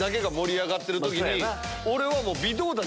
俺は。